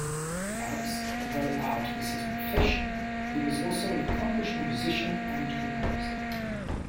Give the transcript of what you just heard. But, although art was his profession, he was also an accomplished musician and composer.